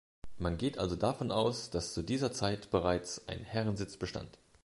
Man geht also davon aus, dass zu dieser Zeit bereits ein Herrensitz bestand.